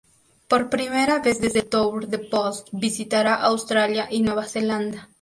Por primera vez desde el tour de Post, visitará Australia y Nueva Zelanda.